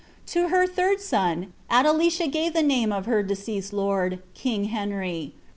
To her third son, Adelicia gave the name of her deceased ry king Henry.